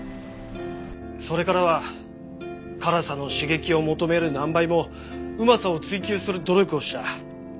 それからは辛さの刺激を求める何倍もうまさを追求する努力をした。